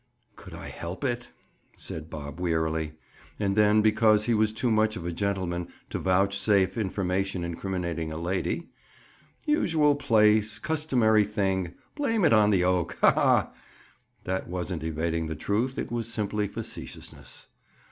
"Could I help it?" said Bob wearily. And then because he was too much of a gentleman to vouchsafe information incriminating a lady: "Usual place! Customary thing! Blame it on the oak! Ha! ha!" This wasn't evading the truth; it was simply facetiousness.